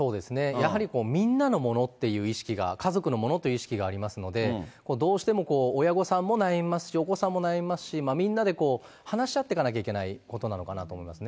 やはりみんなのものっていう意識が、家族のものっていう意識がありますので、どうしても、親御さんも悩みますし、お子さんも悩みますし、みんなで話し合っていかなきゃいけないことなのかなと思いますね。